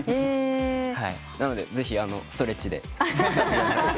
なのでぜひストレッチで。